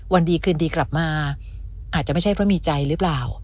วันดีคืนดีกลับมาอาจจะไม่ใช่เพราะมีใจหรือเปล่า